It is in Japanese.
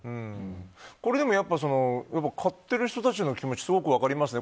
でも、買っている人たちの気持ちは分かりますね。